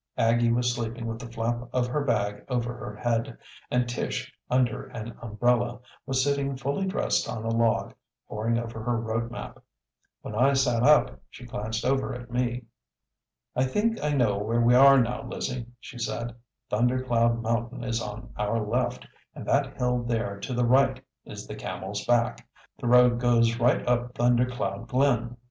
Aggie was sleeping with the flap of her bag over her head, and Tish, under an umbrella, was sitting fully dressed on a log, poring over her road map. When I sat up she glanced over at me. "I think I know where we are now, Lizzie," she said. "Thunder Cloud Mountain is on our left, and that hill there to the right is the Camel's Back. The road goes right up Thunder Cloud Glen."